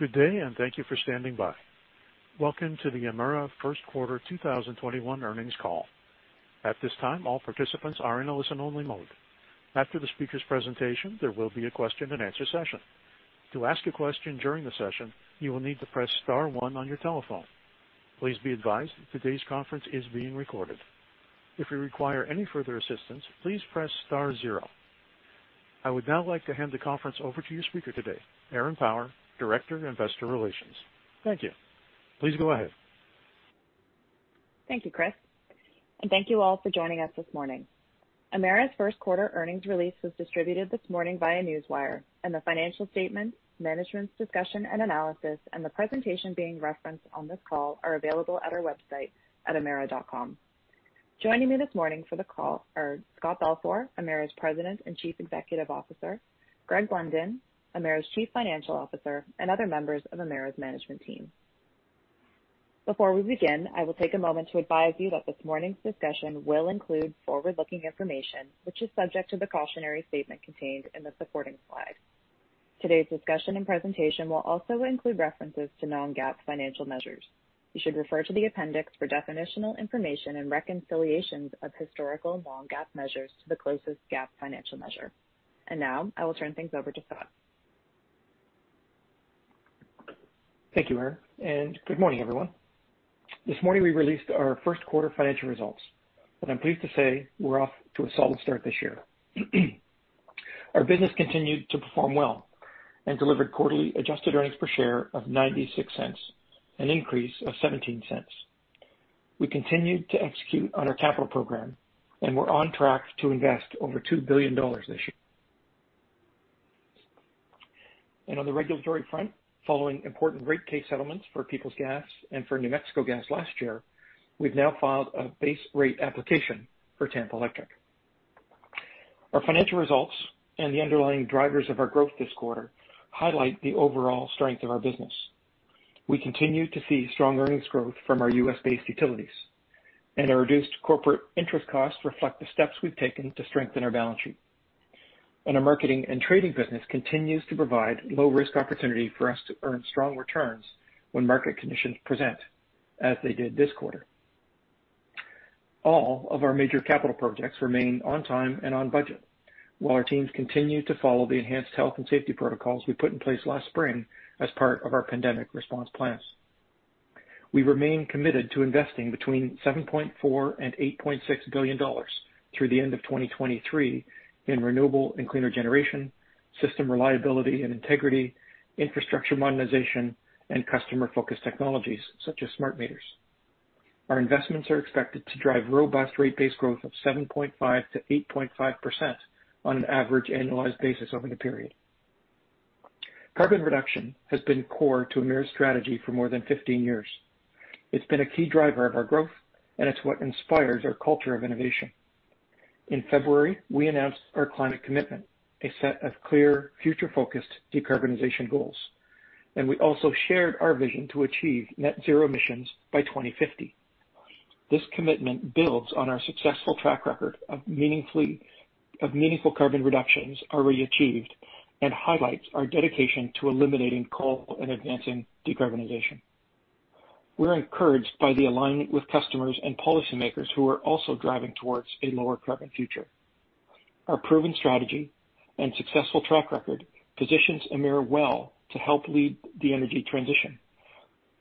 Good day. Thank you for standing by. Welcome to the Emera first quarter 2021 earnings call. At this time, all participants are in a listen-only mode. After the speaker's presentation, there will be a Q&A session. To ask a question during the session, you will need to press star one on your telephone. Please be advised, today's conference is being recorded. If you require any further assistance, please press star zero. I would now like to hand the conference over to your speaker today, Erin Power, Director of Investor Relations. Thank you. Please go ahead. Thank you, Chris. Thank you all for joining us this morning. Emera's first quarter earnings release was distributed this morning via Newswire, and the financial statement, management's discussion and analysis, and the presentation being referenced on this call are available at our website at emera.com. Joining me this morning for the call are Scott Balfour, Emera's President and Chief Executive Officer, Greg Blunden, Emera's Chief Financial Officer, and other members of Emera's management team. Before we begin, I will take a moment to advise you that this morning's discussion will include forward-looking information, which is subject to the cautionary statement contained in the supporting slides. Today's discussion and presentation will also include references to non-GAAP financial measures. You should refer to the appendix for definitional information and reconciliations of historical non-GAAP measures to the closest GAAP financial measure. Now I will turn things over to Scott. Thank you, Erin, and good morning, everyone. This morning, we released our first quarter financial results, and I'm pleased to say we're off to a solid start this year. Our business continued to perform well and delivered quarterly adjusted earnings per share of 0.96, an increase of 0.17. We continued to execute on our capital program, and we're on track to invest over 2 billion dollars this year. On the regulatory front, following important rate case settlements for Peoples Gas and for New Mexico Gas last year, we've now filed a base rate application for Tampa Electric. Our financial results and the underlying drivers of our growth this quarter highlight the overall strength of our business. We continue to see strong earnings growth from our U.S.-based utilities, and our reduced corporate interest costs reflect the steps we've taken to strengthen our balance sheet. Our marketing and trading business continues to provide low-risk opportunity for us to earn strong returns when market conditions present, as they did this quarter. All of our major capital projects remain on time and on budget, while our teams continue to follow the enhanced health and safety protocols we put in place last spring as part of our pandemic response plans. We remain committed to investing between 7.4 billion and 8.6 billion dollars through the end of 2023 in renewable and cleaner generation, system reliability and integrity, infrastructure modernization, and customer-focused technologies such as smart meters. Our investments are expected to drive robust rate base growth of 7.5%-8.5% on an average annualized basis over the period. Carbon reduction has been core to Emera's strategy for more than 15 years. It's been a key driver of our growth, and it's what inspires our culture of innovation. In February, we announced our climate commitment, a set of clear, future-focused decarbonization goals, and we also shared our vision to achieve net zero emissions by 2050. This commitment builds on our successful track record of meaningful carbon reductions already achieved and highlights our dedication to eliminating coal and advancing decarbonization. We're encouraged by the alignment with customers and policymakers who are also driving towards a lower-carbon future. Our proven strategy and successful track record positions Emera well to help lead the energy transition,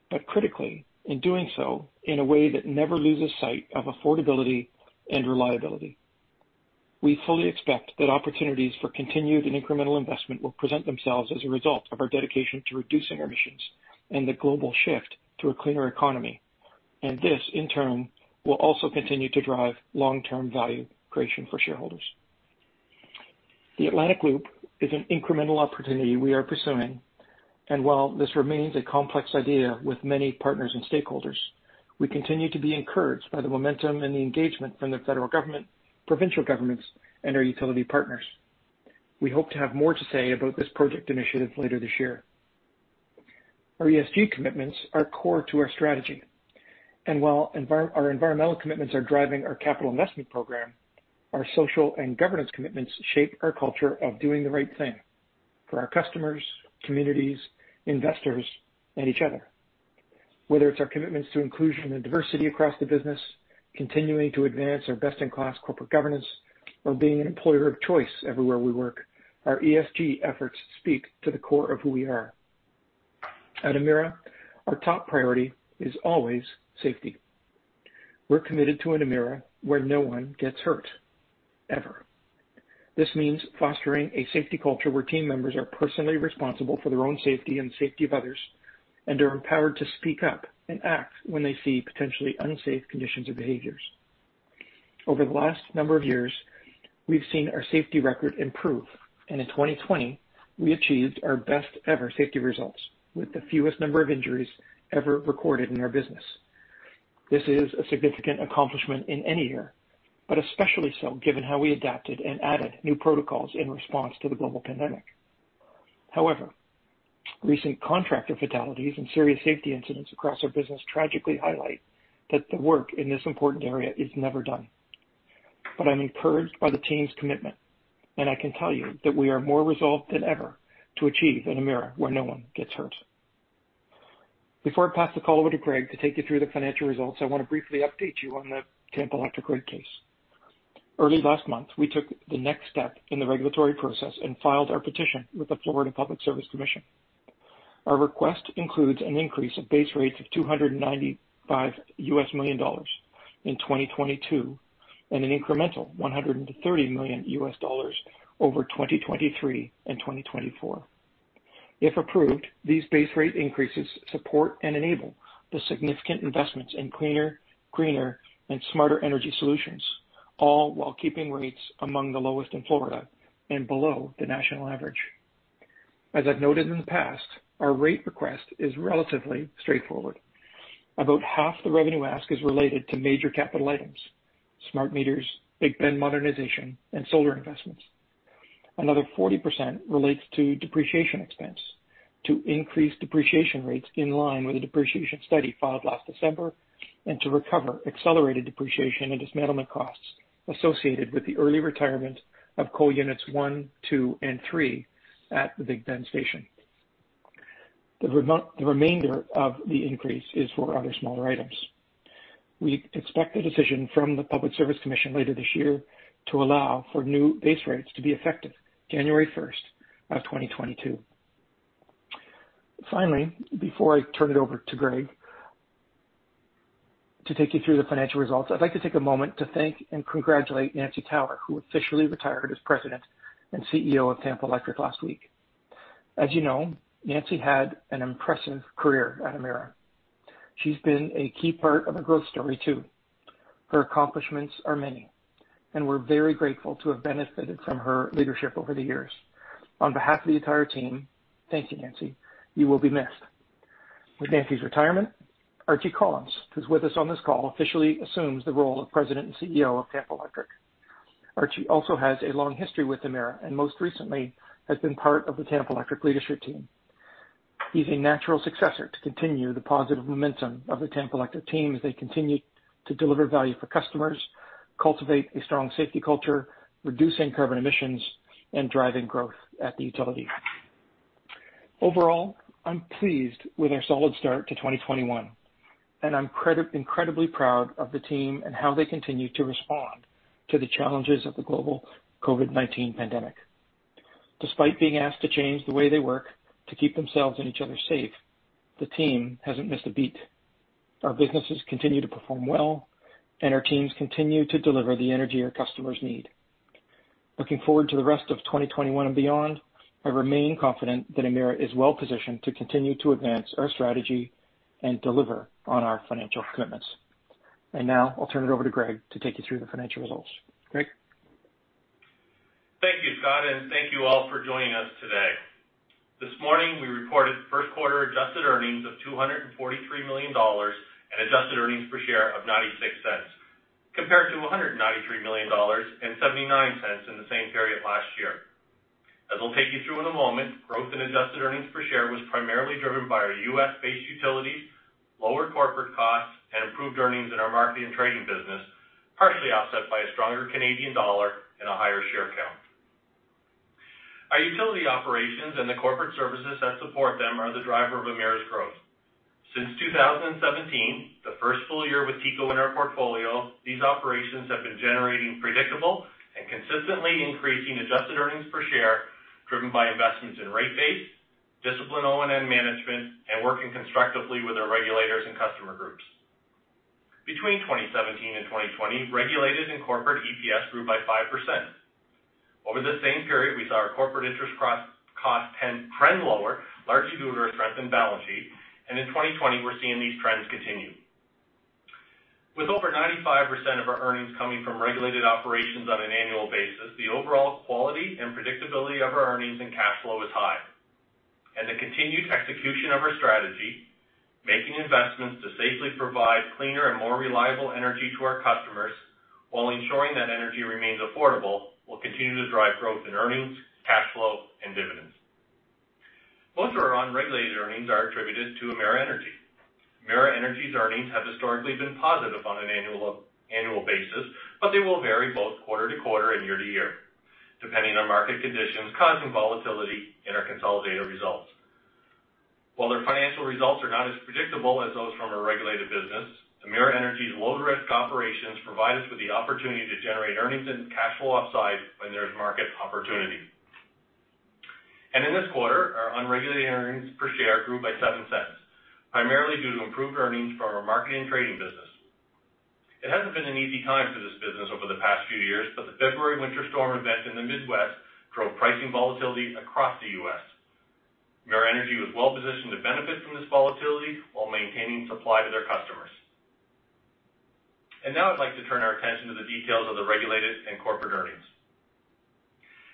but critically, in doing so in a way that never loses sight of affordability and reliability. We fully expect that opportunities for continued and incremental investment will present themselves as a result of our dedication to reducing our emissions and the global shift to a cleaner economy This, in turn, will also continue to drive long-term value creation for shareholders. The Atlantic Loop is an incremental opportunity we are pursuing. While this remains a complex idea with many partners and stakeholders, we continue to be encouraged by the momentum and the engagement from the federal government, provincial governments, and our utility partners. We hope to have more to say about this project initiative later this year. Our ESG commitments are core to our strategy. While our environmental commitments are driving our capital investment program, our social and governance commitments shape our culture of doing the right thing for our customers, communities, investors, and each other. Whether it's our commitments to inclusion and diversity across the business, continuing to advance our best-in-class corporate governance, or being an employer of choice everywhere we work, our ESG efforts speak to the core of who we are. At Emera, our top priority is always safety. We're committed to an Emera where no one gets hurt, ever. This means fostering a safety culture where team members are personally responsible for their own safety and the safety of others and are empowered to speak up and act when they see potentially unsafe conditions or behaviors. Over the last number of years, we've seen our safety record improve, and in 2020, we achieved our best-ever safety results with the fewest number of injuries ever recorded in our business. This is a significant accomplishment in any year, but especially so given how we adapted and added new protocols in response to the global pandemic. However, recent contractor fatalities and serious safety incidents across our business tragically highlight that the work in this important area is never done. I'm encouraged by the team's commitment, and I can tell you that we are more resolved than ever to achieve an Emera where no one gets hurt. Before I pass the call over to Greg to take you through the financial results, I want to briefly update you on the Tampa Electric rate case. Early last month, we took the next step in the regulatory process and filed our petition with the Florida Public Service Commission. Our request includes an increase of base rates of $295 million in 2022, and an incremental $130 million over 2023 and 2024. If approved, these base rate increases support and enable the significant investments in cleaner, greener, and smarter energy solutions, all while keeping rates among the lowest in Florida and below the national average. As I've noted in the past, our rate request is relatively straightforward. About half the revenue ask is related to major capital items, smart meters, Big Bend modernization, and solar investments. Another 40% relates to depreciation expense, to increase depreciation rates in line with the depreciation study filed last December, and to recover accelerated depreciation and dismantlement costs associated with the early retirement of coal units one, two, and three at the Big Bend station. The remainder of the increase is for other smaller items. We expect a decision from the Public Service Commission later this year to allow for new base rates to be effective January 1st, 2022. Finally, before I turn it over to Greg to take you through the financial results, I'd like to take a moment to thank and congratulate Nancy Tower, who officially retired as President and CEO of Tampa Electric last week. As you know, Nancy had an impressive career at Emera. She's been a key part of the growth story too. Her accomplishments are many, and we're very grateful to have benefited from her leadership over the years. On behalf of the entire team, thank you, Nancy. You will be missed. With Nancy's retirement, Archie Collins, who's with us on this call, officially assumes the role of President and CEO of Tampa Electric. Archie also has a long history with Emera, and most recently has been part of the Tampa Electric leadership team. He's a natural successor to continue the positive momentum of the Tampa Electric team as they continue to deliver value for customers, cultivate a strong safety culture, reducing carbon emissions, and driving growth at the utility. Overall, I'm pleased with our solid start to 2021. I'm incredibly proud of the team and how they continue to respond to the challenges of the global COVID-19 pandemic. Despite being asked to change the way they work to keep themselves and each other safe, the team hasn't missed a beat. Our businesses continue to perform well. Our teams continue to deliver the energy our customers need. Looking forward to the rest of 2021 and beyond, I remain confident that Emera is well-positioned to continue to advance our strategy and deliver on our financial commitments. Now I'll turn it over to Greg to take you through the financial results. Greg? Thank you, Scott, and thank you all for joining us today. This morning, we reported first quarter adjusted earnings of 243 million dollars and adjusted earnings per share of 0.96, compared to 193 million dollars and 0.79 in the same period last year. As I'll take you through in a moment, growth and adjusted earnings per share was primarily driven by our U.S.-based utilities, lower corporate costs, and improved earnings in our marketing and trading business, partially offset by a stronger Canadian dollar and a higher share count. Our utility operations and the corporate services that support them are the driver of Emera's growth. Since 2017, the first full year with TECO in our portfolio, these operations have been generating predictable and consistently increasing adjusted earnings per share, driven by investments in rate base, disciplined O&M management, and working constructively with our regulators and customer groups. Between 2017 and 2020, regulated and corporate EPS grew by 5%. Over the same period, we saw our corporate interest cost trend lower, largely due to our strengthened balance sheet, and in 2020, we're seeing these trends continue. With over 95% of our earnings coming from regulated operations on an annual basis, the overall quality and predictability of our earnings and cash flow is high. The continued execution of our strategy, making investments to safely provide cleaner and more reliable energy to our customers while ensuring that energy remains affordable, will continue to drive growth in earnings, cash flow, and dividends. Most of our unregulated earnings are attributed to Emera Energy. Emera Energy's earnings have historically been positive on an annual basis, but they will vary both quarter to quarter and year to year, depending on market conditions causing volatility in our consolidated results. While their financial results are not as predictable as those from a regulated business, Emera Energy's lower risk operations provide us with the opportunity to generate earnings and cash flow upside when there's market opportunity. In this quarter, our unregulated earnings per share grew by 0.07, primarily due to improved earnings from our marketing and trading business. It hasn't been an easy time for this business over the past few years, but the February winter storm event in the Midwest drove pricing volatility across the U.S. Emera Energy was well-positioned to benefit from this volatility while maintaining supply to their customers. Now I'd like to turn our attention to the details of the regulated and corporate earnings.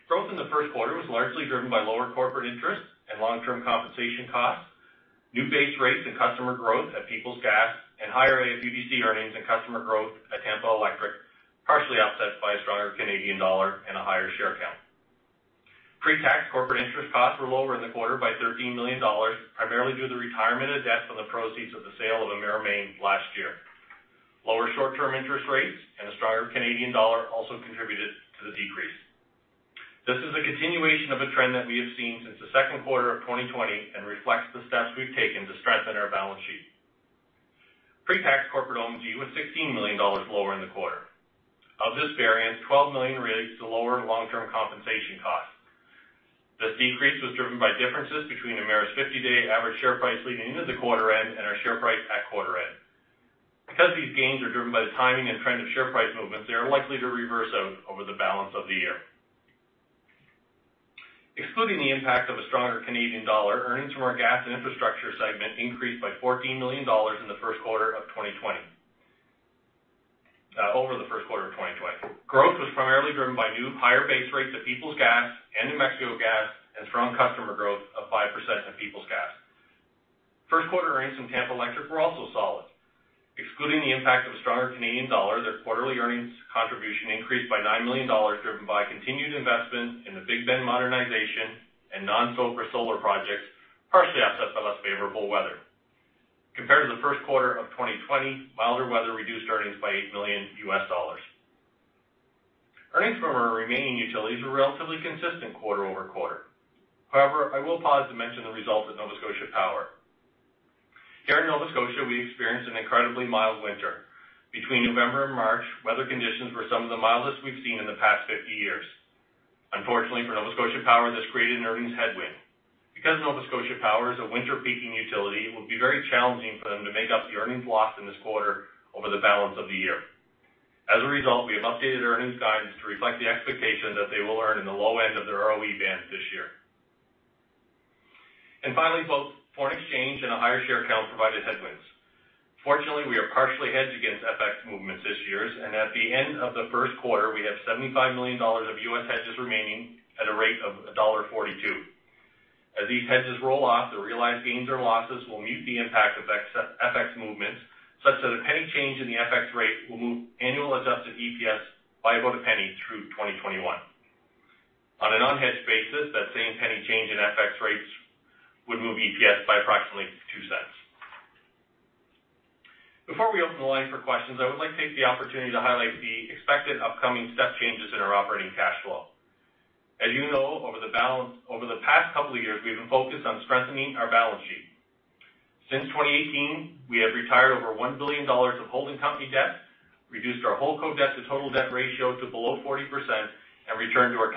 Growth in the first quarter was largely driven by lower corporate interest and long-term compensation costs, new base rates and customer growth at Peoples Gas, and higher AFUDC earnings and customer growth at Tampa Electric, partially offset by a stronger Canadian dollar and a higher share count. Pre-tax corporate interest costs were lower in the quarter by 13 million dollars, primarily due to the retirement of debt from the proceeds of the sale of Emera Maine last year. Lower short-term interest rates and a stronger Canadian dollar also contributed to the decrease. This is a continuation of a trend that we have seen since the second quarter of 2020 and reflects the steps we've taken to strengthen our balance sheet. Pre-tax corporate OM&G was 16 million dollars lower in the quarter. Of this variance, 12 million relates to lower long-term compensation costs. This decrease was driven by differences between Emera's 50-day average share price leading into the quarter end and our share price at quarter end. Because these gains are driven by the timing and trend of share price movements, they are likely to reverse out over the balance of the year. Excluding the impact of a stronger Canadian dollar, earnings from our gas and infrastructure segment increased by 14 million dollars over the first quarter of 2020. Growth was primarily driven by new higher base rates at Peoples Gas and New Mexico Gas and strong customer growth of 5% in Peoples Gas. First quarter earnings from Tampa Electric were also solid. Excluding the impact of a stronger Canadian dollar, their quarterly earnings contribution increased by 9 million dollars, driven by continued investment in the Big Bend modernization and non-SoBRA solar projects, partially offset by less favorable weather. Compared to the first quarter of 2020, milder weather reduced earnings by CAD 8 million. Earnings from our remaining utilities were relatively consistent quarter-over-quarter. However, I will pause to mention the results at Nova Scotia Power. Here in Nova Scotia, we experienced an incredibly mild winter. Between November and March, weather conditions were some of the mildest we've seen in the past 50 years. Unfortunately, for Nova Scotia Power, this created an earnings headwind. Because Nova Scotia Power is a winter peaking utility, it will be very challenging for them to make up the earnings lost in this quarter over the balance of the year. As a result, we have updated earnings guidance to reflect the expectation that they will earn in the low end of their ROE bands this year. Finally, folks, foreign exchange and a higher share count provided headwinds. Fortunately, we are partially hedged against FX movements this year, and at the end of the first quarter, we have $75 million of U.S. hedges remaining at a rate of dollar 1.42. As these hedges roll off, the realized gains or losses will mute the impact of FX movements, such that a CAD 0.01 change in the FX rate will move annual adjusted EPS by about CAD 0.01 through 2021. On an unhedged basis, that same CAD 0.01 change in FX rates would move EPS by approximately 0.02. Before we open the line for questions, I would like to take the opportunity to highlight the expected upcoming step changes in our operating cash flow. As you know, over the past couple of years, we've been focused on strengthening our balance sheet. Since 2018, we have retired over 1 billion dollars of holding company debt, reduced our holdco debt to total debt ratio to below 40%, and returned to our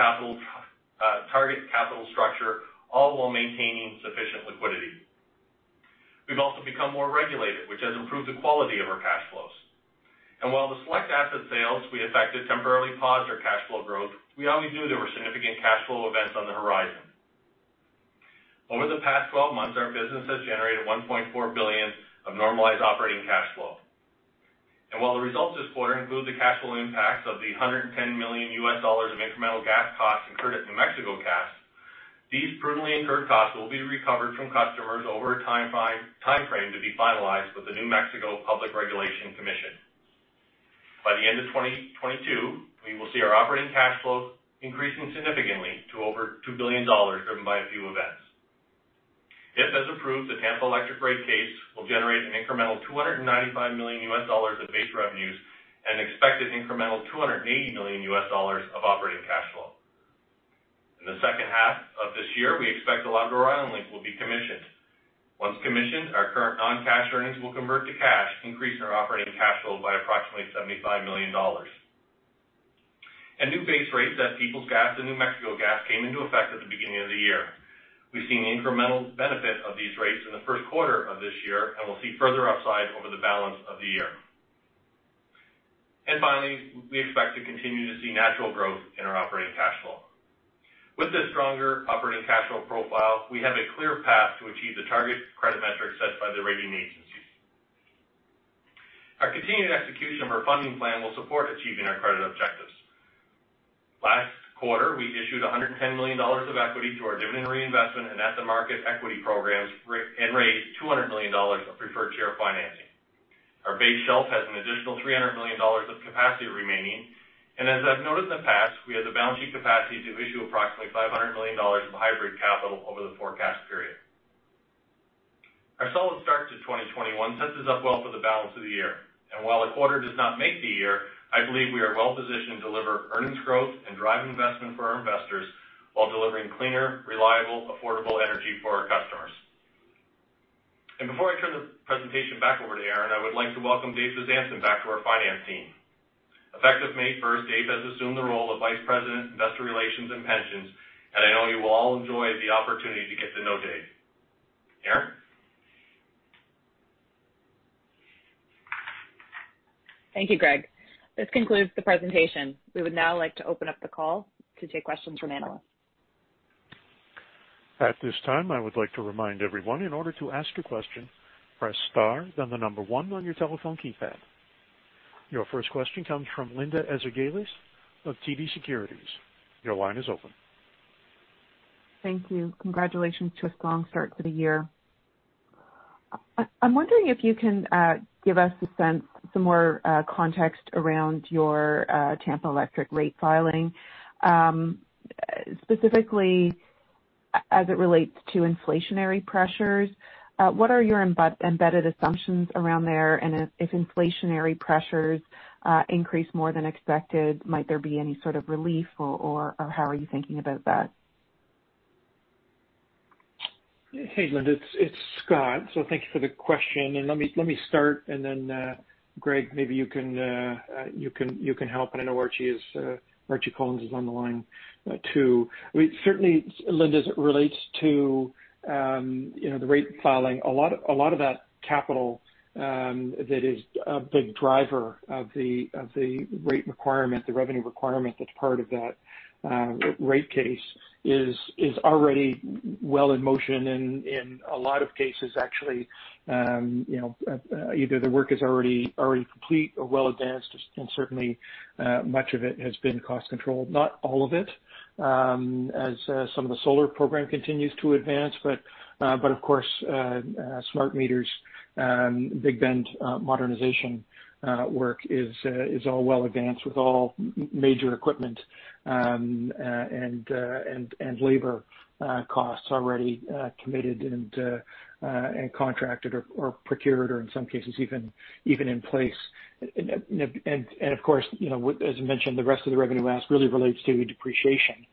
target capital structure, all while maintaining sufficient liquidity. We've also become more regulated, which has improved the quality of our cash flows. While the select asset sales we effected temporarily paused our cash flow growth, we always knew there were significant cash flow events on the horizon. Over the past 12 months, our business has generated 1.4 billion of normalized operating cash flow. While the results this quarter include the cash flow impacts of the CAD 110 million of incremental gas costs incurred at New Mexico Gas, these prudently incurred costs will be recovered from customers over a time frame to be finalized with the New Mexico Public Regulation Commission. By the end of 2022, we will see our operating cash flows increasing significantly to over 2 billion dollars, driven by a few events. If, as approved, the Tampa Electric rate case will generate an incremental $295 million of base revenues and an expected incremental $280 million of operating cash flow. In the second half of this year, we expect the Labrador-Island Link will be commissioned. Once commissioned, our current non-cash earnings will convert to cash, increasing our operating cash flow by approximately 75 million dollars. New base rates at Peoples Gas and New Mexico Gas came into effect at the beginning of the year. We've seen the incremental benefit of these rates in the first quarter of this year, and we'll see further upside over the balance of the year. Finally, we expect to continue to see natural growth in our operating cash flow. With this stronger operating cash flow profile, we have a clear path to achieve the target credit metrics set by the rating agencies. Our continued execution of our funding plan will support achieving our credit objectives. Last quarter, we issued 110 million dollars of equity through our Dividend Reinvestment and at-the-market equity programs and raised 200 million dollars of preferred share financing. Our base shelf has an additional 300 million dollars of capacity remaining. As I've noted in the past, we have the balance sheet capacity to issue approximately 500 million dollars of hybrid capital over the forecast period. Our solid start to 2021 sets us up well for the balance of the year. While a quarter does not make the year, I believe we are well-positioned to deliver earnings growth and drive investment for our investors while delivering cleaner, reliable, affordable energy for our customers. Before I turn the presentation back over to Erin, I would like to welcome Dave Bezanson back to our finance team. Effective May 1st, Dave has assumed the role of Vice President, Investor Relations and Pensions, and I know you will all enjoy the opportunity to get to know Dave. Erin? Thank you, Greg. This concludes the presentation. We would now like to open up the call to take questions from analysts. At this time, I would like to remind everyone, in order to ask a question, press star then the number one on your telephone keypad. Your first question comes from Linda Ezergailis of TD Securities. Your line is open. Thank you. Congratulations to a strong start to the year. I'm wondering if you can give us a sense, some more context around your Tampa Electric rate filing. Specifically, as it relates to inflationary pressures. What are your embedded assumptions around there? If inflationary pressures increase more than expected, might there be any sort of relief or how are you thinking about that? Hey, Linda, it's Scott. Thank you for the question. Let me start, and then, Greg, maybe you can help. I know Archie Collins is on the line too. Certainly, Linda, as it relates to the rate filing, a lot of that capital that is a big driver of the rate requirement, the revenue requirement that's part of that rate case, is already well in motion. In a lot of cases, actually, either the work is already complete or well advanced. Certainly, much of it has been cost controlled. Not all of it, as some of the solar program continues to advance. Of course, smart meters, Big Bend modernization work is all well advanced with all major equipment and labor costs already committed and contracted or procured, or in some cases, even in place. Of course, as I mentioned, the rest of the revenue ask really relates to depreciation,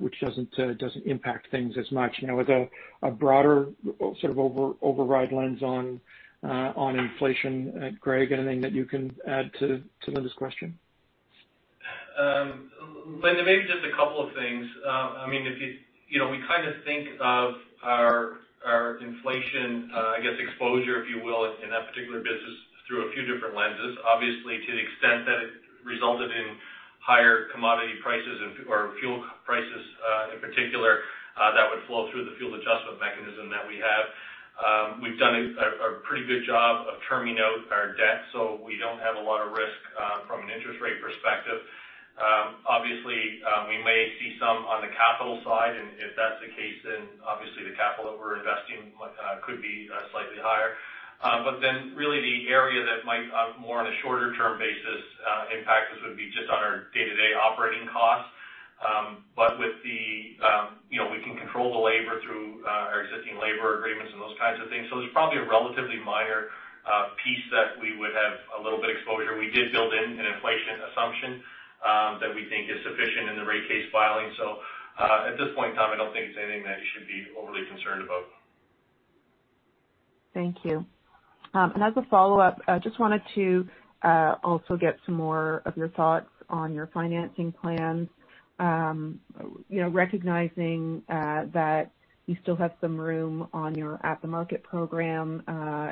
which doesn't impact things as much. With a broader sort of override lens on inflation, Greg, anything that you can add to Linda's question? Linda, maybe just a couple of things. We kind of think of our inflation, I guess, exposure, if you will, in that particular business through a few different lenses. Obviously, to the extent that it resulted in higher commodity prices or fuel prices in particular, that would flow through the fuel adjustment mechanism that we have. We've done a pretty good job of terming out our debt, so we don't have a lot of risk from an interest rate perspective. Obviously, we may see some on the capital side, and if that's the case, then obviously the capital that we're investing could be slightly higher. Really the area that might more on a shorter-term basis impact us would be just on our day-to-day operating costs. We can control the labor through our existing labor agreements and those kinds of things. There's probably a relatively minor piece that we would have a little bit of exposure. We did build in an inflation assumption that we think is sufficient in the rate case filing. At this point in time, I don't think it's anything that you should be overly concerned about. Thank you. As a follow-up, I just wanted to also get some more of your thoughts on your financing plans. Recognizing that you still have some room on your at the market program,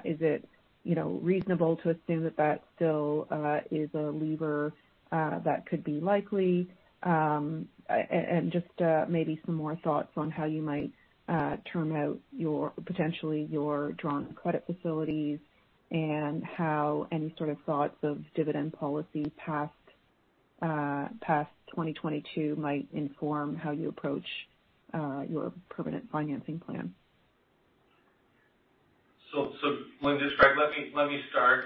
is it reasonable to assume that that still is a lever that could be likely? Just maybe some more thoughts on how you might term out potentially your drawn credit facilities? How any sort of thoughts of dividend policy past 2022 might inform how you approach your permanent financing plan? Linda, it's Greg. Let me start.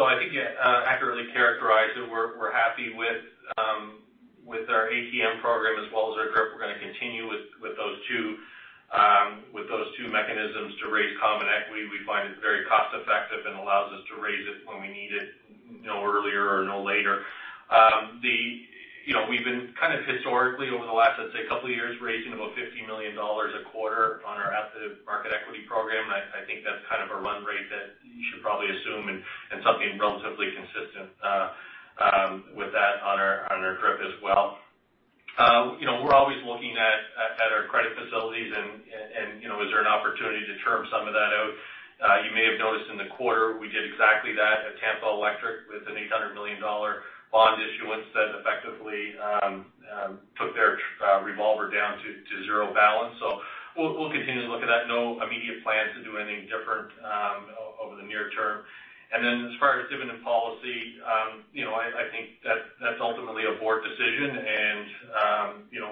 I think you accurately characterized that we're happy with our ATM program as well as our DRIP. We're going to continue with those two mechanisms to raise common equity. We find it very cost-effective and allows us to raise it when we need it, no earlier or no later. We've been kind of historically over the last, I'd say, couple of years, raising about 50 million dollars a quarter on our at-the-market equity program. I think that's kind of a run rate that you should probably assume and something relatively consistent with that on our DRIP as well. We're always looking at our credit facilities and is there an opportunity to term some of that out? You may have noticed in the quarter, we did exactly that at Tampa Electric with a 800 million dollar bond issuance that effectively took their revolver down to zero balance. We'll continue to look at that. No immediate plans to do anything different over the near term. As far as dividend policy, I think that's ultimately a board decision.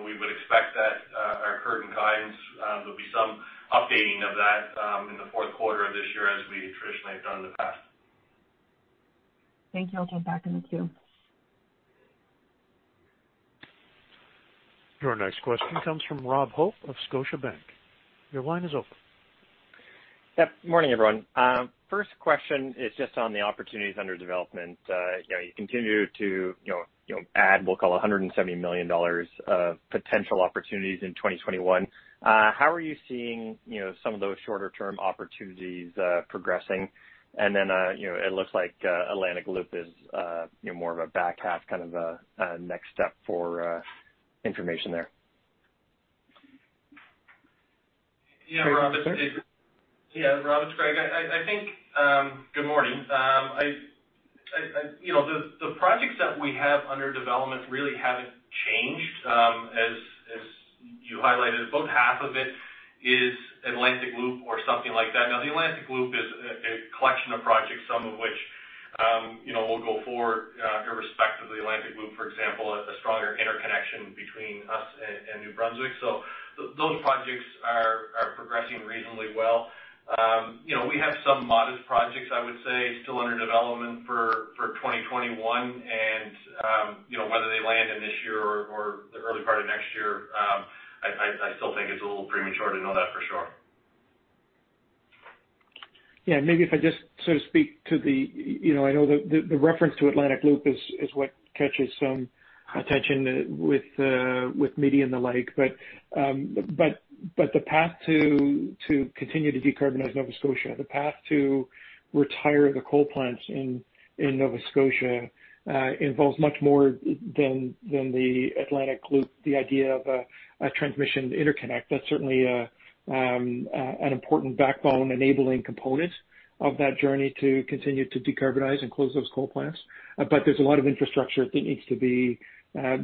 We would expect that our current guidance, there'll be some updating of that in the fourth quarter of this year as we traditionally have done in the past. Thank you. I'll take back in the queue. Your next question comes from Rob Hope of Scotiabank. Your line is open. Yep. Morning, everyone. First question is just on the opportunities under development. You continue to add, we'll call it 170 million dollars of potential opportunities in 2021. How are you seeing some of those shorter-term opportunities progressing? It looks like Atlantic Loop is more of a back half, kind of a next step for information there. Yeah, Rob, it's Greg Yeah, Rob, it's Greg. Good morning. The projects that we have under development really haven't changed. As you highlighted, about half of it is Atlantic Loop or something like that. The Atlantic Loop is collection of projects, some of which will go forward, irrespective of the Atlantic Loop, for example, a stronger interconnection between us and New Brunswick. Those projects are progressing reasonably well. We have some modest projects, I would say, still under development for 2021. Whether they land in this year or the early part of next year, I still think it's a little premature to know that for sure. Yeah. Maybe if I just sort of speak to the I know the reference to Atlantic Loop is what catches some attention with media and the like. The path to continue to decarbonize Nova Scotia, the path to retire the coal plants in Nova Scotia, involves much more than the Atlantic Loop, the idea of a transmission interconnect. That's certainly an important backbone-enabling component of that journey to continue to decarbonize and close those coal plants. There's a lot of infrastructure that needs to be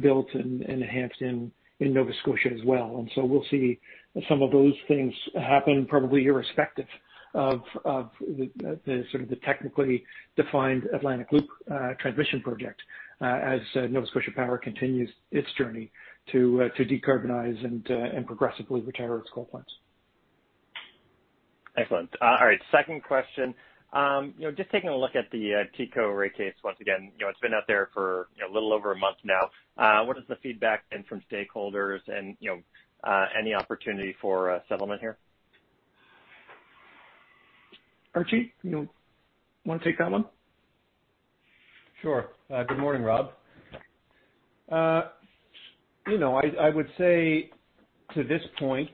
built and enhanced in Nova Scotia as well. We'll see some of those things happen, probably irrespective of the sort of the technically defined Atlantic Loop transmission project as Nova Scotia Power continues its journey to decarbonize and progressively retire its coal plants. Excellent. All right. Second question. Just taking a look at the TECO rate case once again. It's been out there for a little over a month now. What is the feedback been from stakeholders and any opportunity for a settlement here? Archie, you want to take that one? Sure. Good morning, Rob. I would say to this point,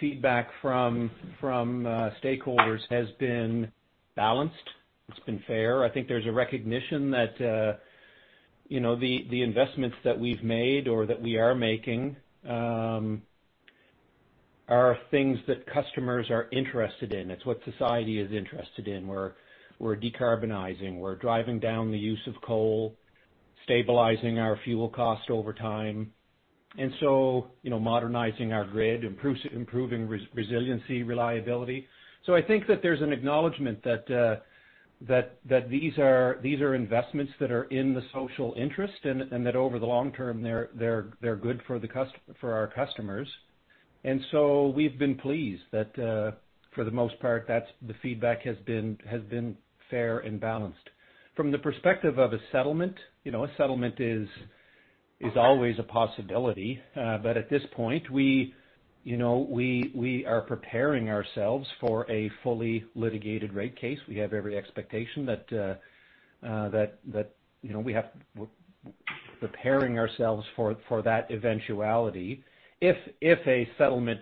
feedback from stakeholders has been balanced. It's been fair. I think there's a recognition that the investments that we've made or that we are making are things that customers are interested in. It's what society is interested in. We're decarbonizing, we're driving down the use of coal, stabilizing our fuel cost over time, modernizing our grid, improving resiliency, reliability. I think that there's an acknowledgement that these are investments that are in the social interest, and that over the long term, they're good for our customers. We've been pleased that for the most part, the feedback has been fair and balanced. From the perspective of a settlement, a settlement is always a possibility. At this point, we are preparing ourselves for a fully litigated rate case. We have every expectation that we're preparing ourselves for that eventuality. If a settlement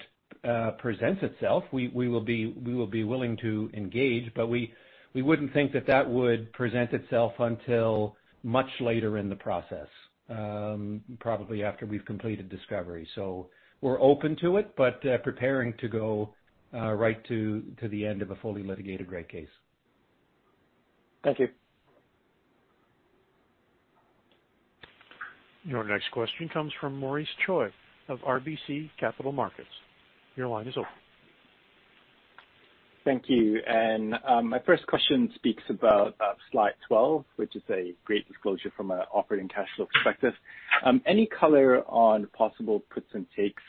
presents itself, we will be willing to engage, but we wouldn't think that that would present itself until much later in the process, probably after we've completed discovery. We're open to it, but preparing to go right to the end of a fully litigated rate case. Thank you. Your next question comes from Maurice Choy of RBC Capital Markets. Your line is open. Thank you. My first question speaks about slide 12, which is a great disclosure from an operating cash flow perspective. Any color on possible puts and takes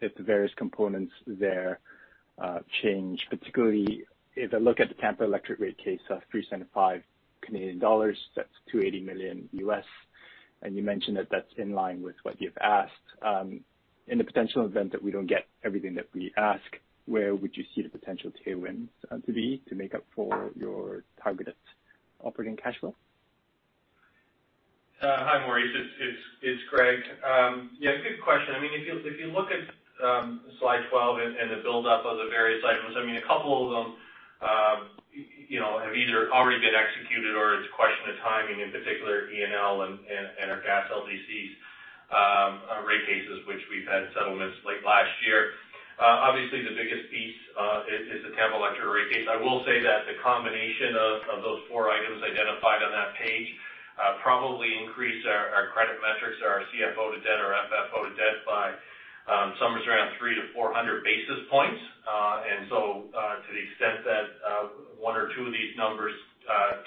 if the various components there change? Particularly if I look at the Tampa Electric rate case of 375 Canadian dollars, that's $280 million. You mentioned that that's in line with what you've asked. In the potential event that we don't get everything that we ask, where would you see the potential tailwinds to be to make up for your targeted operating cash flow? Hi, Maurice. It's Greg. Yeah, good question. If you look at slide 12 and the buildup of the various items, a couple of them have either already been executed or it's a question of timing, in particular ENL and our gas LDCs rate cases, which we've had settlements late last year. Obviously, the biggest piece is the Tampa Electric rate case. I will say that the combination of those four items identified on that page probably increase our credit metrics, our CFO to debt or FFO to debt by somewhere around 300 basis points-400 basis points. To the extent that one or two of these numbers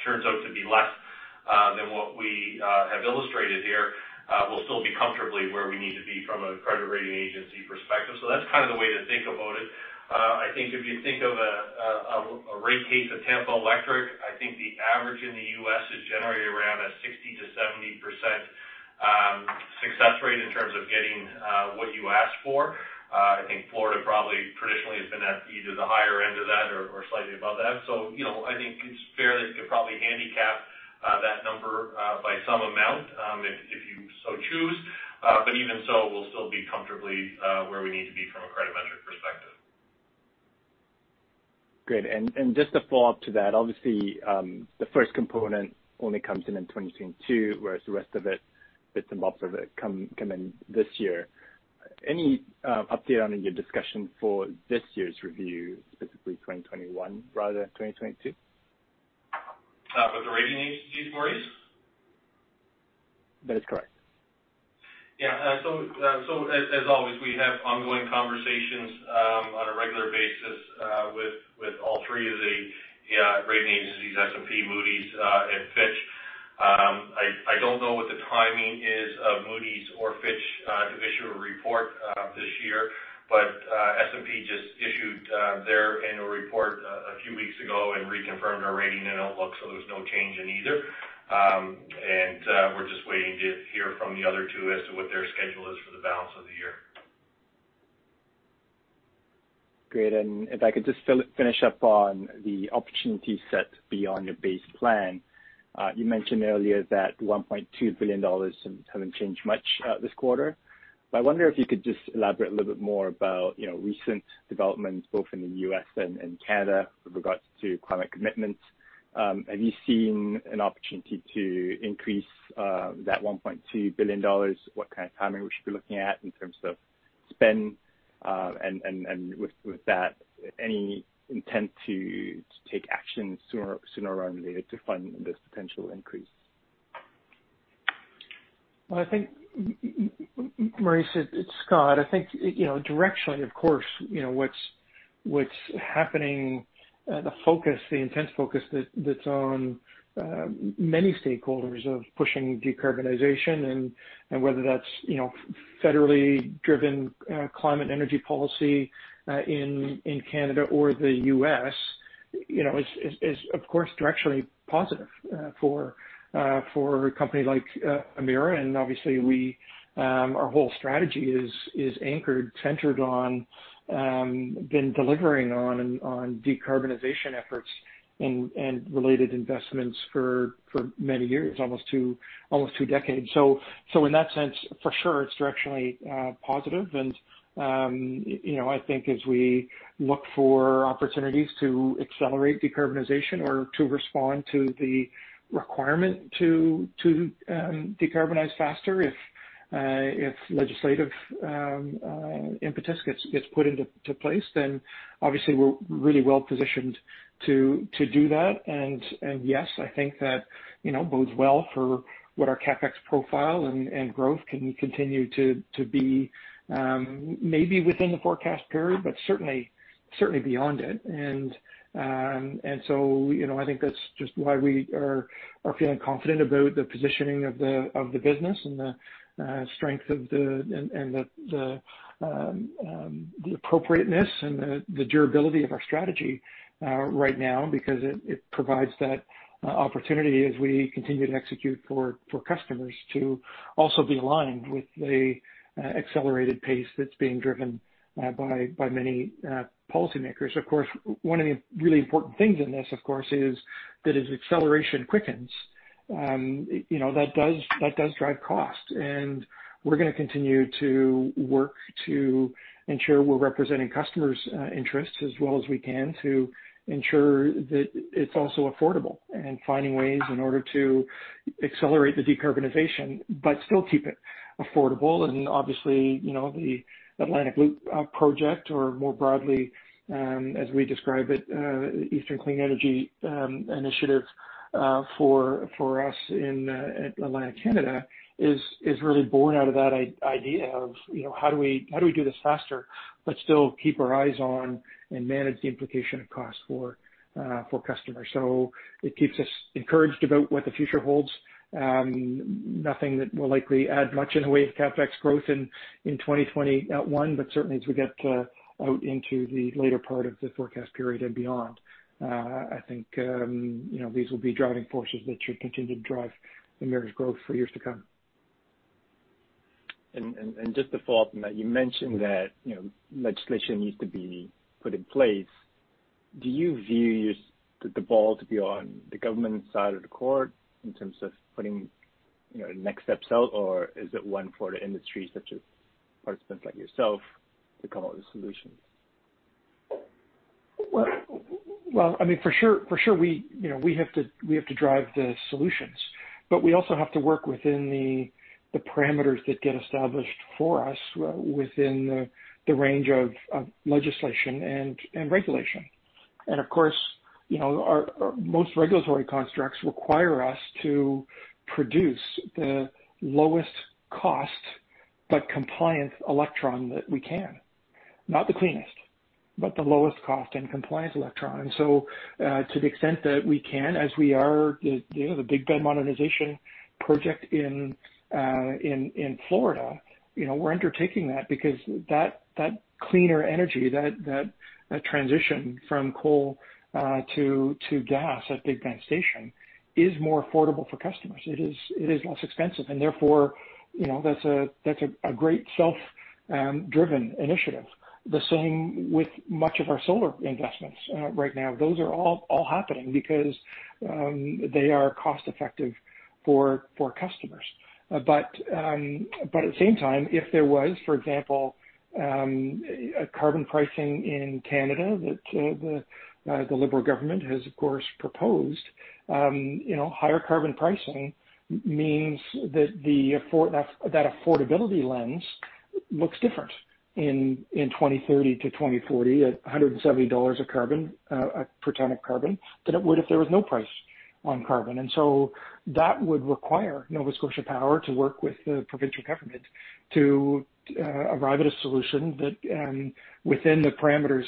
turns out to be less than what we have illustrated here, we'll still be comfortably where we need to be from a credit rating agency perspective. That's kind of the way to think about it. I think if you think of a rate case of Tampa Electric, I think the average in the U.S. is generally around a 60%-70% success rate in terms of getting what you ask for. I think Florida probably traditionally has been at either the higher end of that or slightly above that. I think it's fair that you could probably handicap that number by some amount if you so choose. Even so, we'll still be comfortably where we need to be from a credit metric perspective. Great. Just to follow up to that, obviously, the first component only comes in in 2022, whereas the rest of it, bits and bobs of it, come in this year. Any update on your discussion for this year's review, specifically 2021 rather than 2022? With the rating agencies, Maurice? That is correct. Yeah. As always, we have ongoing conversations on a regular basis, with all three of the rating agencies, S&P, Moody's, and Fitch. I don't know what the timing is of Moody's or Fitch to issue a report this year. S&P just issued their annual report a few weeks ago and reconfirmed our rating and outlook, so there was no change in either. We're just waiting to hear from the other two as to what their schedule is for the balance of the year. Great, if I could just finish up on the opportunity set beyond your base plan. You mentioned earlier that 1.2 billion dollars hasn't changed much this quarter. I wonder if you could just elaborate a little bit more about recent developments both in the U.S. and Canada with regards to climate commitments. Have you seen an opportunity to increase that 1.2 billion dollars? What kind of timing we should be looking at in terms of spend, and with that, any intent to take action sooner rather than later to fund this potential increase? Well, Maurice, it's Scott. I think directionally, of course, what's happening, the intense focus that's on many stakeholders of pushing decarbonization and whether that's federally driven climate energy policy, in Canada or the U.S. is, of course, directionally positive for a company like Emera. Obviously our whole strategy is anchored, centered on, been delivering on decarbonization efforts and related investments for many years, almost two decades. In that sense, for sure, it's directionally positive and I think as we look for opportunities to accelerate decarbonization or to respond to the requirement to decarbonize faster, if legislative impetus gets put into place, then obviously we're really well-positioned to do that. Yes, I think that bodes well for what our CapEx profile and growth can continue to be, maybe within the forecast period, but certainly beyond it. I think that's just why we are feeling confident about the positioning of the business and the strength and the appropriateness and the durability of our strategy right now, because it provides that opportunity as we continue to execute for customers to also be aligned with the accelerated pace that's being driven by many policymakers. Of course, one of the really important things in this, of course, is that as acceleration quickens, that does drive cost. We're going to continue to work to ensure we're representing customers' interests as well as we can to ensure that it's also affordable and finding ways in order to accelerate the decarbonization but still keep it affordable. Obviously, the Atlantic Loop project or more broadly, as we describe it, Eastern Clean Energy Initiative, for us in Atlantic Canada is really born out of that idea of how do we do this faster but still keep our eyes on and manage the implication of cost for customers. It keeps us encouraged about what the future holds. Nothing that will likely add much in the way of CapEx growth in 2021, but certainly as we get out into the later part of the forecast period and beyond, I think these will be driving forces that should continue to drive Emera's growth for years to come. Just to follow up on that, you mentioned that legislation needs to be put in place. Do you view the ball to be on the government side of the court in terms of putting next steps out, or is it one for the industry, such as participants like yourself, to come up with solutions? Well, for sure we have to drive the solutions. We also have to work within the parameters that get established for us within the range of legislation and regulation. Of course, most regulatory constructs require us to produce the lowest cost but compliant electron that we can. Not the cleanest, but the lowest cost and compliant electron. To the extent that we can, as we are the Big Bend modernization project in Florida, we're undertaking that because that cleaner energy, that transition from coal to gas at Big Bend Station is more affordable for customers. It is less expensive and therefore, that's a great self-driven initiative. The same with much of our solar investments right now. Those are all happening because they are cost-effective for customers. At the same time, if there was, for example, a carbon pricing in Canada that the Liberal government has, of course, proposed. Higher carbon pricing means that affordability lens looks different in 2030 to 2040 at 170 dollars per ton of carbon than it would if there was no price on carbon. That would require Nova Scotia Power to work with the provincial government to arrive at a solution that, within the parameters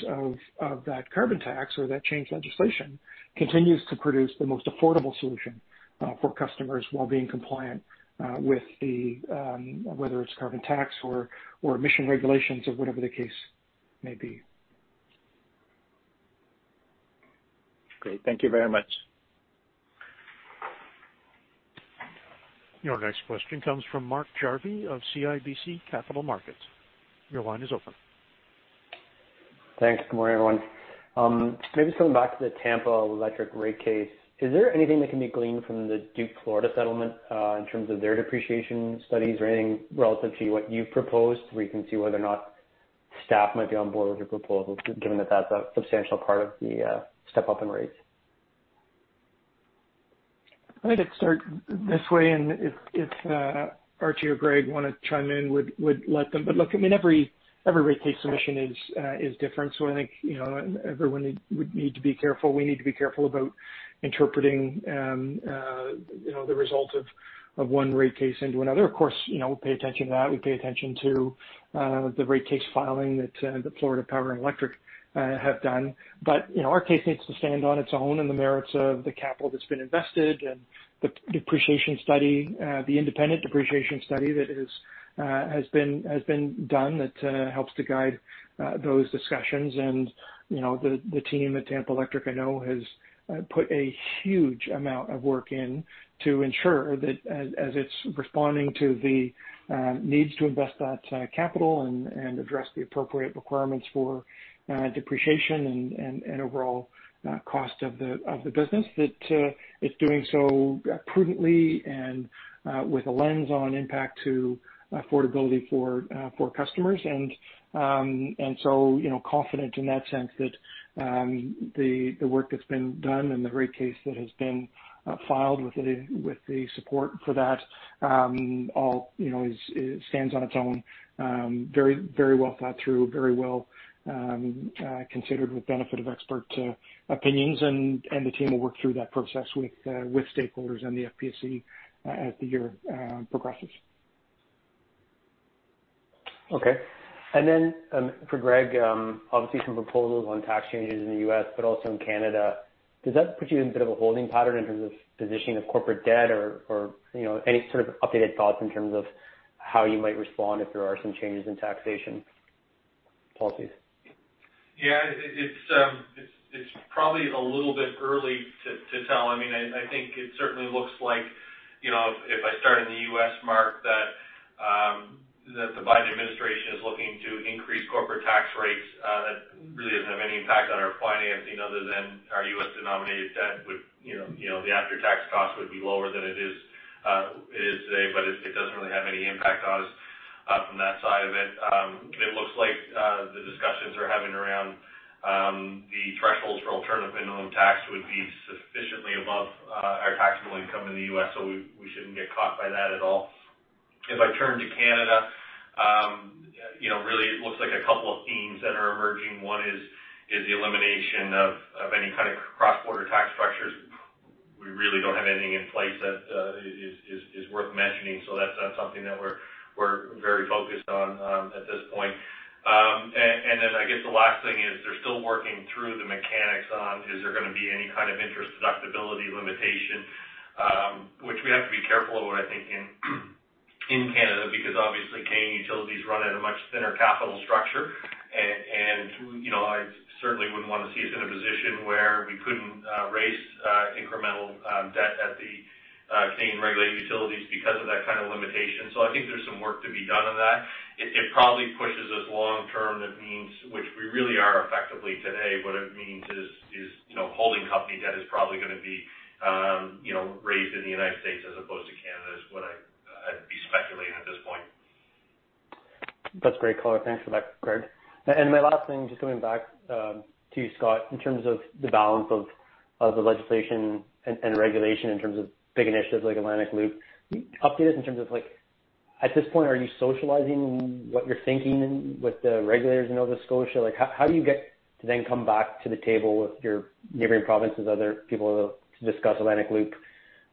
of that carbon tax or that changed legislation, continues to produce the most affordable solution for customers while being compliant, whether it's carbon tax or emission regulations or whatever the case may be. Great. Thank you very much. Your next question comes from Mark Jarvi of CIBC Capital Markets. Your line is open. Thanks. Good morning, everyone. Maybe coming back to the Tampa Electric rate case. Is there anything that can be gleaned from the Duke Florida settlement in terms of their depreciation studies or anything relative to what you've proposed where you can see whether or not staff might be on board with your proposal, given that that's a substantial part of the step-up in rates? I'd start this way, and if Archie or Greg want to chime in, would let them. Look, every rate case submission is different. I think everyone would need to be careful. We need to be careful about interpreting the result of one rate case into another. Of course, we pay attention to that. We pay attention to the rate case filing that the Florida Power & Light have done. Our case needs to stand on its own and the merits of the capital that's been invested and the independent depreciation study that has been done that helps to guide those discussions. The team at Tampa Electric, I know, has put a huge amount of work in to ensure that as it's responding to the needs to invest that capital and address the appropriate requirements for depreciation and overall cost of the business, that it's doing so prudently and with a lens on impact to affordability for customers. Confident in that sense that the work that's been done and the rate case that has been filed with the support for that stands on its own. Very well thought through, very well considered with benefit of expert opinions. The team will work through that process with stakeholders and the FPSC as the year progresses. Okay. For Greg, obviously some proposals on tax changes in the U.S., but also in Canada. Does that put you in a bit of a holding pattern in terms of positioning of corporate debt or any sort of updated thoughts in terms of how you might respond if there are some changes in taxation policies? Yeah. It's probably a little bit early to tell. I think it certainly looks like if I start in the U.S., Mark, that the Biden administration is looking to increase corporate tax rates. That really doesn't have any impact on our financing other than our U.S.-denominated debt. The after-tax cost would be lower than it is today. It doesn't really have any impact on us from that side of it. It looks like the discussions they're having around the thresholds for alternative minimum tax would be sufficiently above our taxable income in the U.S. We shouldn't get caught by that at all. If I turn to Canada, really it looks like a couple of themes that are emerging. One is the elimination of any kind of cross-border tax structures. We really don't have anything in place that is worth mentioning, so that's not something that we're very focused on at this point. I guess the last thing is they're still working through the mechanics on, is there going to be any kind of interest deductibility limitation? Which we have to be careful of, I think, in Canada, because obviously Canadian utilities run at a much thinner capital structure. I certainly wouldn't want to see us in a position where we couldn't raise incremental debt at the Canadian regulated utilities because of that kind of limitation. I think there's some work to be done on that. It probably pushes us long-term, which we really are effectively today. What it means is holding company debt is probably going to be raised in the U.S. as opposed to Canada, is what I'd be speculating at this point. That's great color. Thanks for that, Greg. My last thing, just coming back to you, Scott, in terms of the balance of the legislation and regulation in terms of big initiatives like Atlantic Loop. Can you update us in terms of at this point, are you socializing what you're thinking with the regulators in Nova Scotia? How do you get to then come back to the table with your neighboring provinces, other people, to discuss Atlantic Loop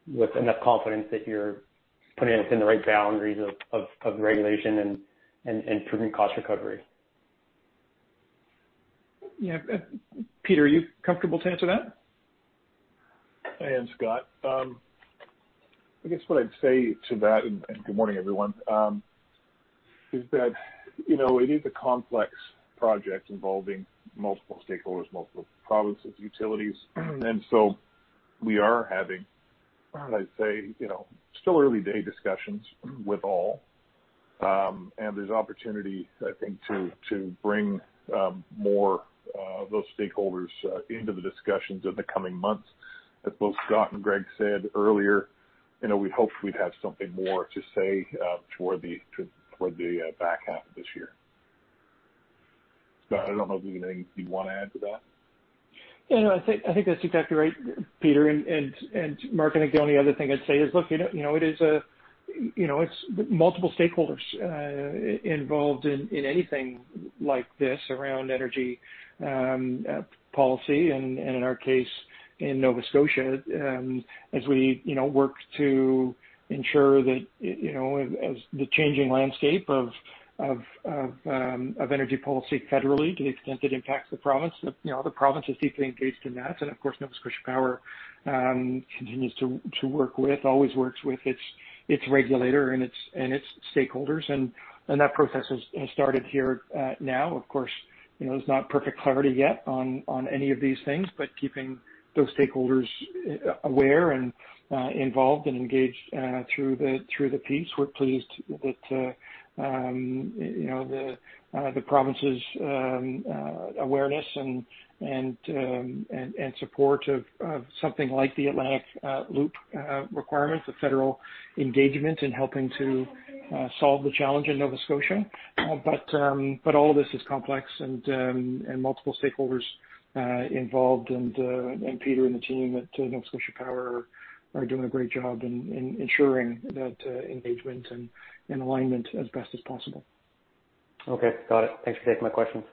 with enough confidence that you're putting us in the right boundaries of regulation and proving cost recovery? Yeah. Peter, are you comfortable to answer that? I am, Scott. I guess what I'd say to that, good morning, everyone, is that it is a complex project involving multiple stakeholders, multiple provinces, utilities. We are having, how would I say, still early-day discussions with all. There's opportunity, I think, to bring more of those stakeholders into the discussions in the coming months. As both Scott and Greg said earlier, we'd hope we'd have something more to say toward the back half of this year. Scott, I don't know if you have anything you want to add to that? No, I think that's exactly right, Peter and Mark. I think the only other thing I'd say is, look, it's multiple stakeholders involved in anything like this around energy policy. In our case, in Nova Scotia, as we work to ensure that as the changing landscape of energy policy federally, to the extent it impacts the province, the province is deeply engaged in that. Of course, Nova Scotia Power always works with its regulator and its stakeholders. That process has started here now. Of course, there's not perfect clarity yet on any of these things, but keeping those stakeholders aware and involved and engaged through the piece, we're pleased that the province's awareness and support of something like the Atlantic Loop requirements, the federal engagement in helping to solve the challenge in Nova Scotia. All of this is complex and multiple stakeholders involved. Peter and the team at Nova Scotia Power are doing a great job in ensuring that engagement and alignment as best as possible. Okay. Got it. Thanks for taking my questions.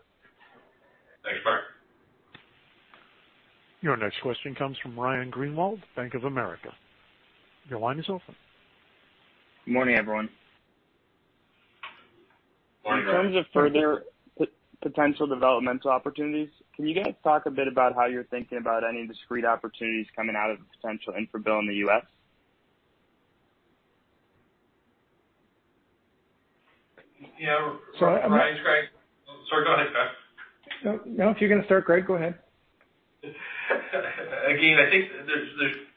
Thanks, Mark. Your next question comes from Ryan Greenwald, Bank of America. Your line is open. Good morning, everyone. Morning. In terms of further potential developmental opportunities, can you guys talk a bit about how you're thinking about any discrete opportunities coming out of the potential infra bill in the U.S.? Yeah. So. Ryan, Greg. Sorry, go ahead, Greg. No, if you're going to start, Greg, go ahead. I think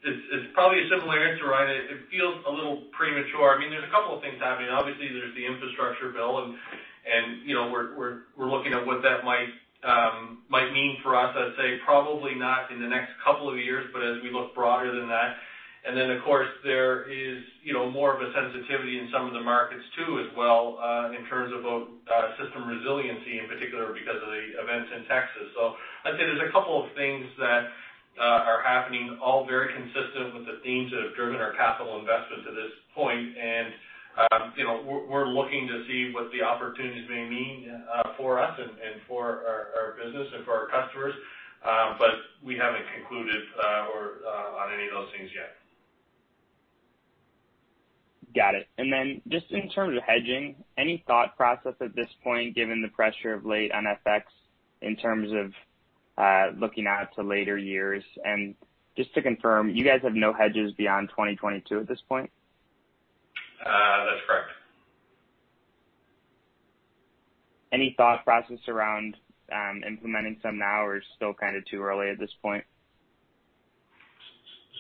it's probably a similar answer, Ryan. It feels a little premature. There's a couple of things happening. There's the infrastructure bill, we're looking at what that might mean for us. I'd say probably not in the next couple of years, as we look broader than that. Of course, there is more of a sensitivity in some of the markets, too, as well, in terms of system resiliency, in particular because of the events in Texas. I'd say there's a couple of things that are happening, all very consistent with the themes that have driven our capital investment to this point. We're looking to see what the opportunities may mean for us and for our business and for our customers. We haven't concluded on any of those things yet. Got it. Then just in terms of hedging, any thought process at this point, given the pressure of late on FX in terms of looking out to later years? Just to confirm, you guys have no hedges beyond 2022 at this point? That's correct. Any thought process around implementing some now or still kind of too early at this point?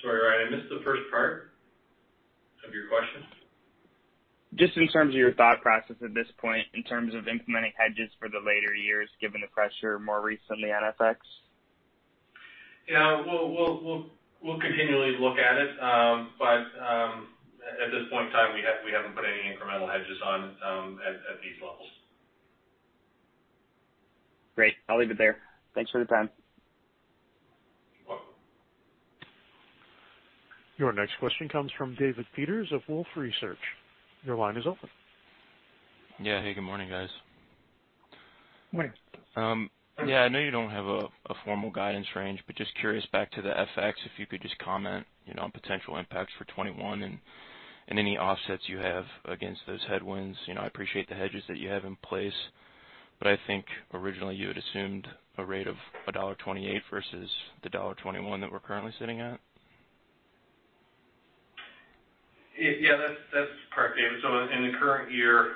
Sorry, Ryan, I missed the first part of your question. Just in terms of your thought process at this point, in terms of implementing hedges for the later years, given the pressure more recently on FX. Yeah. We'll continually look at it. At this point in time, we haven't put any incremental hedges on at these levels. Great. I'll leave it there. Thanks for the time. You're welcome. Your next question comes from David Peters of Wolfe Research. Your line is open. Yeah. Hey, good morning, guys. Morning. Yeah. I know you don't have a formal guidance range, but just curious, back to the FX, if you could just comment on potential impacts for 2021 and any offsets you have against those headwinds. I appreciate the hedges that you have in place, but I think originally you had assumed a rate of dollar 1.28 versus the dollar 1.21 that we're currently sitting at? Yeah. That's correct, David. In the current year,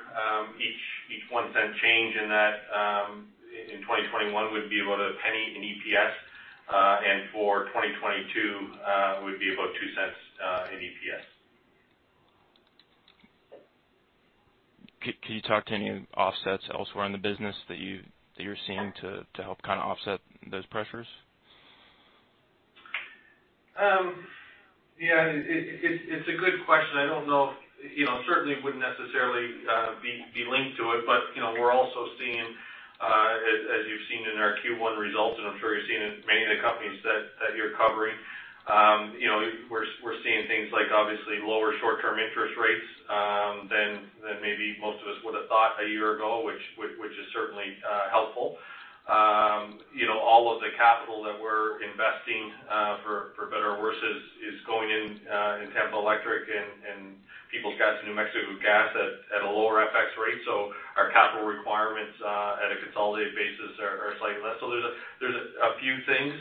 each 0.01 change in that in 2021 would be about CAD 0.01 in EPS. For 2022, would be about 0.02 in EPS. Can you talk to any offsets elsewhere in the business that you're seeing to help kind of offset those pressures? Yeah. It's a good question. I don't know. Certainly wouldn't necessarily be linked to it. We're also seeing, as you've seen in our Q1 results, and I'm sure you're seeing in many of the companies that you're covering. We're seeing things like obviously lower short-term interest rates than maybe most of us would have thought a year ago, which is certainly helpful. All of the capital that we're investing, for better or worse, is going in Tampa Electric and Peoples Gas and New Mexico Gas at a lower FX rate. Our capital requirements at a consolidated basis are slightly less. There's a few things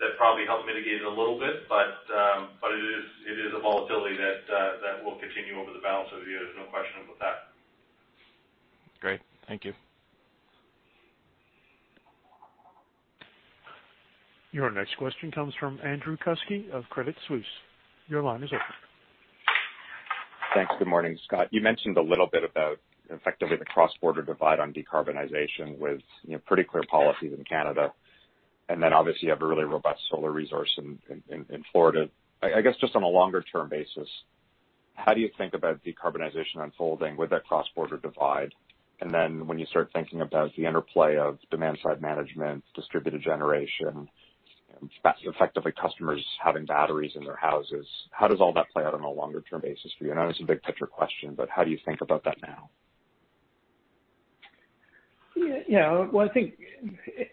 that probably help mitigate it a little bit, but it is a volatility that will continue over the balance of the year. There's no question about that. Great. Thank you. Your next question comes from Andrew Kuske of Credit Suisse. Your line is open. Thanks. Good morning, Scott. You mentioned a little bit about effectively the cross-border divide on decarbonization with pretty clear policies in Canada, and then obviously you have a really robust solar resource in Florida. I guess, just on a longer-term basis, how do you think about decarbonization unfolding with that cross-border divide? When you start thinking about the interplay of demand-side management, distributed generation, effectively customers having batteries in their houses, how does all that play out on a longer-term basis for you? I know it's a big-picture question, but how do you think about that now? Yeah. Well, I think,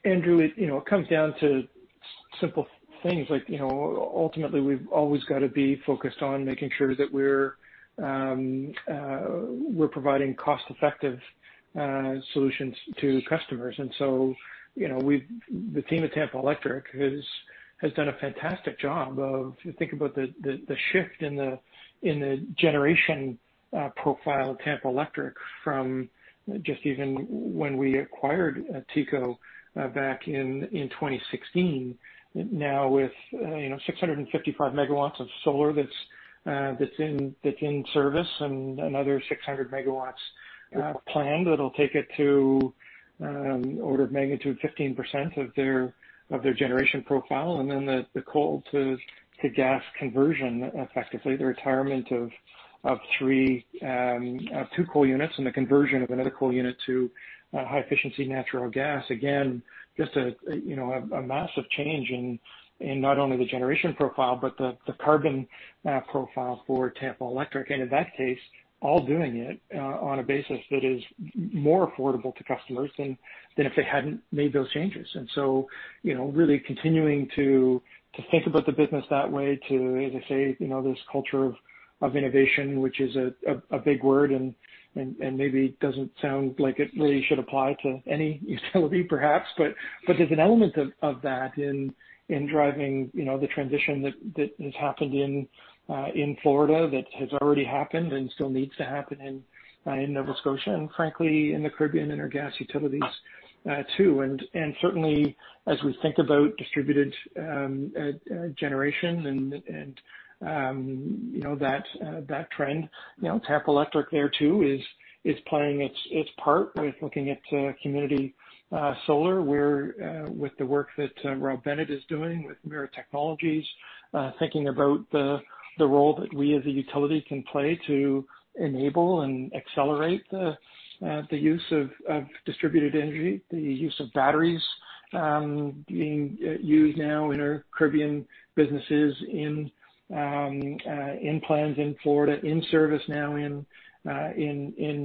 Andrew, it comes down to simple things like, ultimately, we've always got to be focused on making sure that we're providing cost-effective solutions to customers. The team at Tampa Electric has done a fantastic job of, if you think about the shift in the generation profile of Tampa Electric from just even when we acquired TECO back in 2016. Now with 655 MW of solar that's in service and another 600 MW planned, it'll take it to order of magnitude 15% of their generation profile. The coal-to-gas conversion, effectively, the retirement of two coal units and the conversion of another coal unit to high-efficiency natural gas. Again, just a massive change in not only the generation profile but the carbon profile for Tampa Electric. In that case, all doing it on a basis that is more affordable to customers than if they hadn't made those changes. Really continuing to think about the business that way, to, as I say, this culture of innovation, which is a big word and maybe doesn't sound like it really should apply to any utility, perhaps. There's an element of that in driving the transition that has happened in Florida, that has already happened and still needs to happen in Nova Scotia and, frankly, in the Caribbean and our gas utilities too. Certainly, as we think about distributed generation and that trend. Tampa Electric there too is playing its part with looking at community solar, where with the work that Rob Bennett is doing with Emera Technologies, thinking about the role that we as a utility can play to enable and accelerate the use of distributed energy, the use of batteries being used now in our Caribbean businesses, in plans in Florida, in service now in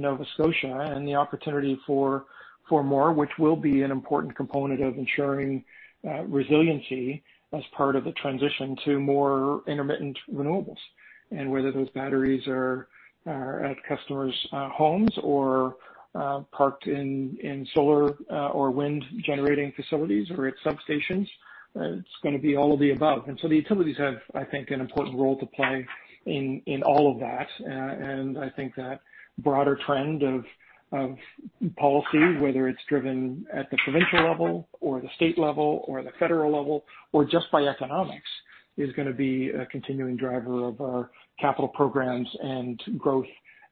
Nova Scotia. The opportunity for more, which will be an important component of ensuring resiliency as part of the transition to more intermittent renewables. Whether those batteries are at customers' homes or parked in solar or wind-generating facilities or at substations, it's going to be all of the above. The utilities have, I think, an important role to play in all of that. I think that broader trend of policy, whether it's driven at the provincial level or the state level or the federal level, or just by economics, is going to be a continuing driver of our capital programs and growth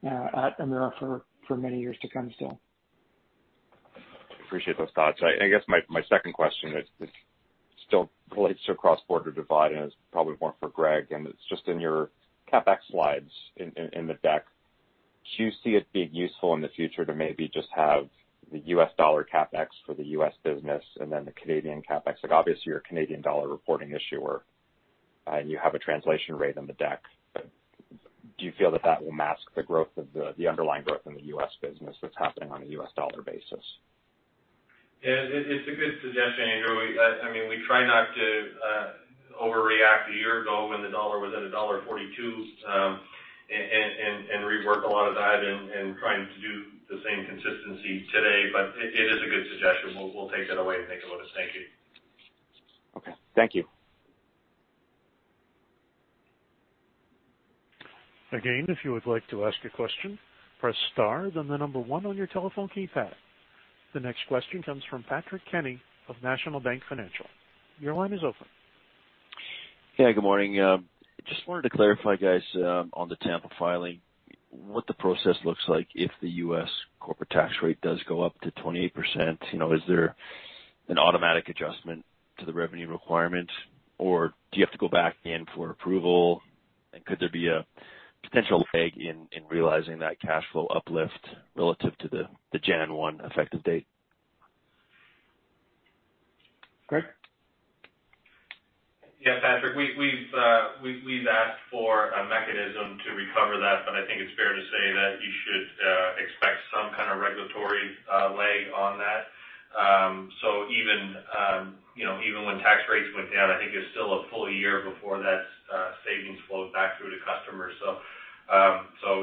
at Emera for many years to come still. Appreciate those thoughts. I guess my second question, it still relates to cross-border divide and is probably more for Greg. It's just in your CapEx slides in the deck. Do you see it being useful in the future to maybe just have the USD CapEx for the U.S. business and then the Canadian CapEx? Obviously, you're a CAD reporting issuer, and you have a translation rate on the deck. Do you feel that that will mask the underlying growth in the U.S. business that's happening on a U.S. dollar basis? Yeah. It's a good suggestion, Andrew. We try not to overreact a year ago when the dollar was at dollar 1.42 and rework a lot of that and trying to do the same consistency today. It is a good suggestion. We'll take that away and think about it. Thank you. Okay. Thank you. Again, if you would like to ask a question, press star then the number one on your telephone keypad. The next question comes from Patrick Kenny of National Bank Financial. Your line is open. Yeah, good morning. Just wanted to clarify, guys, on the Tampa filing, what the process looks like if the U.S. corporate tax rate does go up to 28%. Is there an automatic adjustment to the revenue requirement, or do you have to go back in for approval? Could there be a potential lag in realizing that cash flow uplift relative to the January 1 effective date? Greg? Patrick, we've asked for a mechanism to recover that, but I think it's fair to say that you should expect some kind of regulatory lag on that. Even when tax rates went down, I think it was still a full year before that savings flowed back through to customers.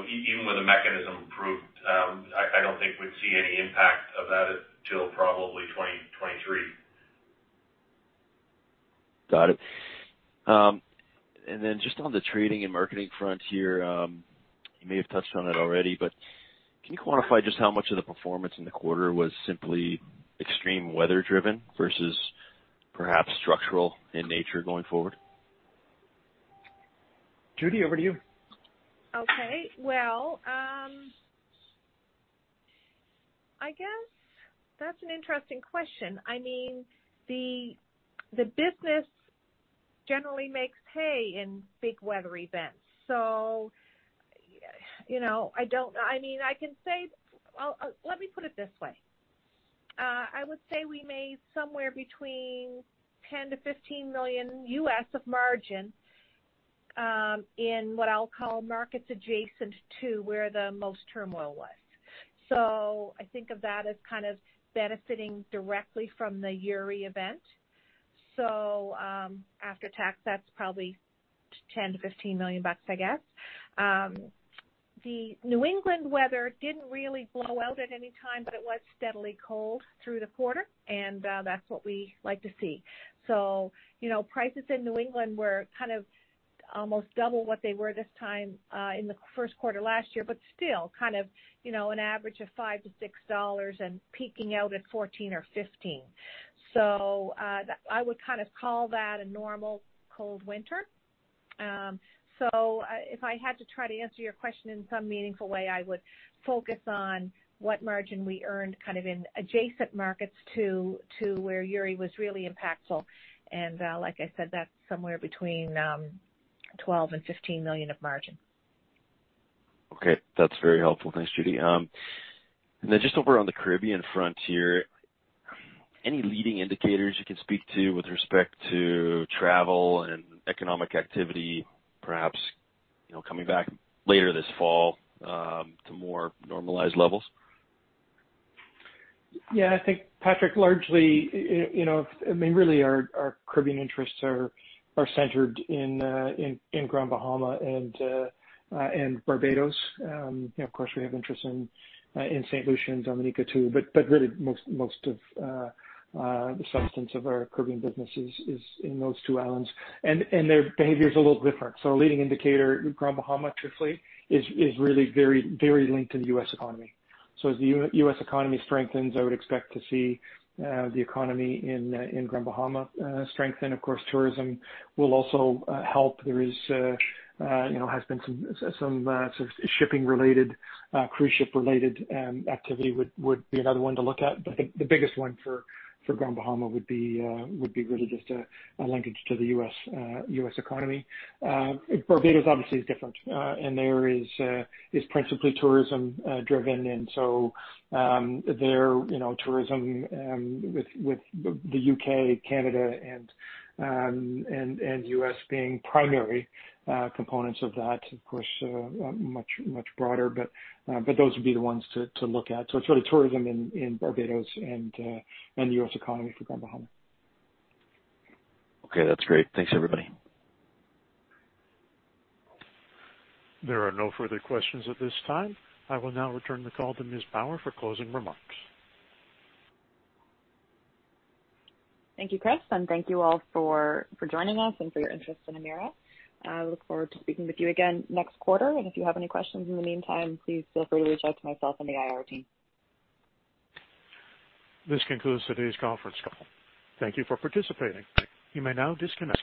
Even with a mechanism approved, I don't think we'd see any impact of that until probably 2023. Got it. Just on the trading and marketing front here, you may have touched on it already, can you quantify just how much of the performance in the quarter was simply extreme weather-driven versus perhaps structural in nature going forward? Judy, over to you. Okay. That's an interesting question. The business generally makes hay in big weather events. Let me put it this way. I would say we made somewhere between $10 million-$15 million of margin, in what I'll call markets adjacent to where the most turmoil was. I think of that as kind of benefiting directly from the Winter Storm Uri event. After tax, that's probably $10 million-$15 million, I guess. The New England weather didn't really blow out at any time, but it was steadily cold through the quarter, and that's what we like to see. Prices in New England were almost double what they were this time in the first quarter last year, but still, an average of $5-$6 and peaking out at 14 or 15. I would call that a normal cold winter. If I had to try to answer your question in some meaningful way, I would focus on what margin we earned in adjacent markets to where Uri was really impactful. Like I said, that's somewhere between 12 million and 15 million of margin. Okay. That's very helpful. Thanks, Judy. Just over on the Caribbean frontier, any leading indicators you can speak to with respect to travel and economic activity, perhaps, coming back later this fall, to more normalized levels? I think, Patrick, largely, really our Caribbean interests are centered in Grand Bahama and Barbados. Of course, we have interests in Saint Lucia and Dominica too, really most of the substance of our Caribbean business is in those two islands. Their behavior is a little different. A leading indicator in Grand Bahama, truthfully, is really very linked to the U.S. economy. Of course, tourism will also help. There has been some shipping-related, cruise ship-related activity would be another one to look at. I think the biggest one for Grand Bahama would be really just a linkage to the U.S. economy. Barbados obviously is different, there is principally tourism-driven. Their tourism with the U.K., Canada, and U.S. being primary components of that, of course, much broader, but those would be the ones to look at. It's really tourism in Barbados and U.S. economy for Grand Bahama. Okay. That's great. Thanks, everybody. There are no further questions at this time. I will now return the call to Ms. Power for closing remarks. Thank you, Chris, and thank you all for joining us and for your interest in Emera. I look forward to speaking with you again next quarter. If you have any questions in the meantime, please feel free to reach out to myself and the IR team. This concludes today's conference call. Thank you for participating. You may now disconnect.